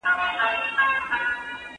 هغه عوامل چې تولیدي دي ډیر مهم دي.